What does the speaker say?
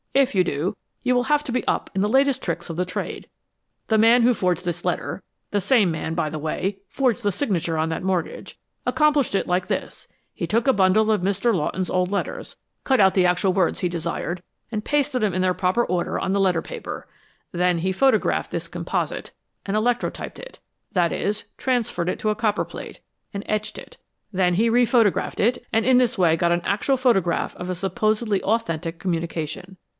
"If you do, you will have to be up in the latest tricks of the trade. The man who forged this letter the same man, by the way, forged the signature on that mortgage accomplished it like this: He took a bundle of Mr. Lawton's old letters, cut out the actual words he desired, and pasted 'em in their proper order on the letter paper. Then he photographed this composite, and electrotyped it that is, transferred it to a copperplate, and etched it. Then he re photographed it, and in this way got an actual photograph of a supposedly authentic communication.